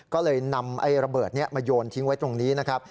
ก็เลยนำไอ้ระเบิดนี้มาโยนทิ้งไว้ตรงนี้นะครับ